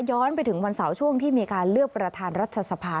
ย้อนไปถึงวันเสาร์ช่วงที่มีการเลือกประธานรัฐสภา